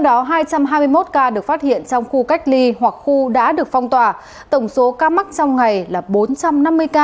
trong đó hai trăm hai mươi một ca được phát hiện trong khu cách ly hoặc khu đã được phong tỏa tổng số ca mắc trong ngày là bốn trăm năm mươi ca